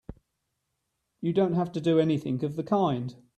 You don't have to do anything of the kind!